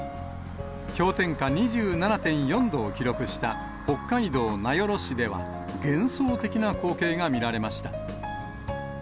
氷点下２７．４度を記録した北海道名寄市では、幻想的な光景が見られました。